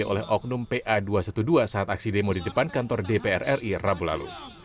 oleh oknum pa dua ratus dua belas saat aksi demo di depan kantor dpr ri rabu lalu